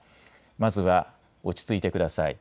まずは落ち着いてください。